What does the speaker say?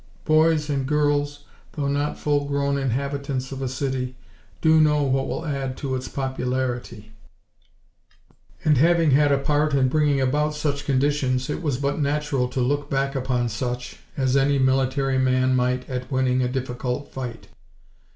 Boys and girls, though not full grown inhabitants of a city, do know what will add to its popularity; and having had a part in bringing about such conditions, it was but natural to look back upon such, as any military man might at winning a difficult fight.